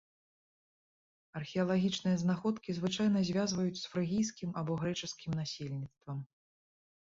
Археалагічныя знаходкі звычайна звязваюць з фрыгійскім або грэчаскім насельніцтвам.